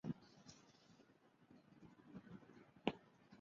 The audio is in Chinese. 革命工人党是土耳其的一个托洛茨基主义政党。